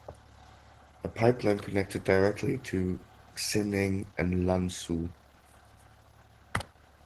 A pipeline connects it directly to Xining and Lanzhou.